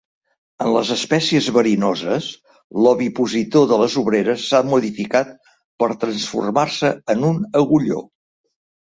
En les espècies verinoses, l'ovipositor de les obreres s'ha modificat per transformar-se en un agulló.